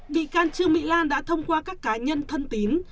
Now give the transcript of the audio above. bị can trương mỹ lan đã thông qua các cá nhân thân tín